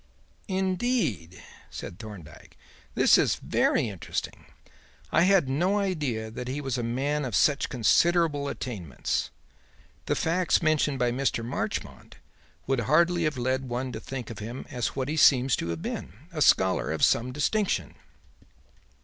"Indeed!" said Thorndyke. "This is very interesting. I had no idea that he was a man of such considerable attainments. The facts mentioned by Mr. Marchmont would hardly have led one to think of him as what he seems to have been: a scholar of some distinction."